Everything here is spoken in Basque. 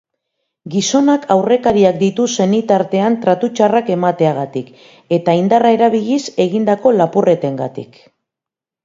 Gizonak aurrekariak ditu senitartean tratu txarrak emateagatik eta indarra erabiliz egindako lapurretengatik.